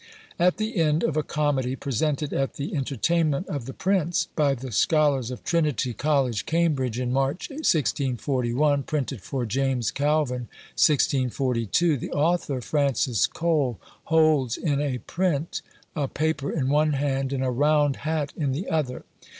At the end of a comedy presented at the entertainment of the prince, by the scholars of Trinity College, Cambridge, in March, 1641, printed for James Calvin, 1642, the author, Francis Cole, holds in a print a paper in one hand, and a round hat in the other.